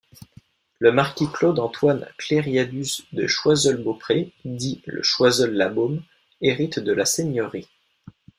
Le marquis Claude-Antoine-Clériadus de Choiseul-Beaupré, dit de Choiseul-La Baume, hérite de la seigneurie.